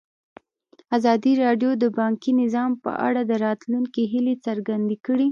ازادي راډیو د بانکي نظام په اړه د راتلونکي هیلې څرګندې کړې.